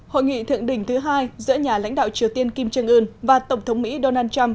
hội nghị thượng đỉnh thứ hai giữa nhà lãnh đạo triều tiên kim trương ưn và tổng thống mỹ donald trump